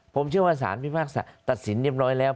ผมเชื่อว่าสารพิพากษาตัดสินเรียบร้อยแล้ว